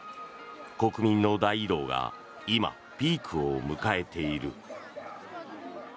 国民の大移動が今、ピークを迎えている。